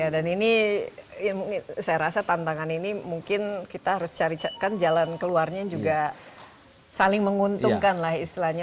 dan ini saya rasa tantangan ini mungkin kita harus cari jalan keluarnya juga saling menguntungkan lah istilahnya